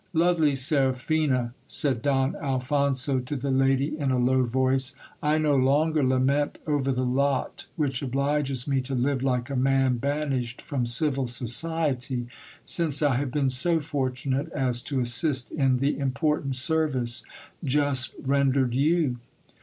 Lovely Seraphina, said Don Alphonso to the lady in a low voice, I no longer lament over the lot which obliges me to live like a man ban ished from civil society, since I have been so fortunate as to assist in the im portant service just rendered you.